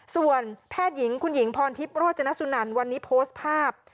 ส่วนแพทย์หญิงคุณหญิงพรทิพย์โรจนสุนันวันนี้โพสต์ภาพ